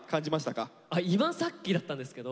今さっきだったんですけど。